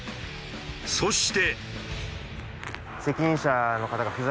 そして。